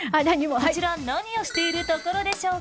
こちら何をしているところでしょうか？